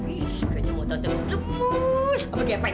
ish kayaknya mau tante lemus sama kepen